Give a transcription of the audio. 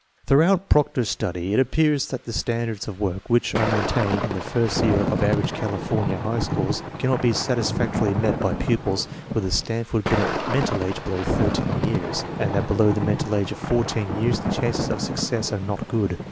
Throughout Proctor's study it appears that the standards of work which are maintained in the first year of average California high schools cannot be satisfactorily met by pupils with a Stanford Binet mental age below 13 years, and that below the mental age of 14 years the chances of success are not good.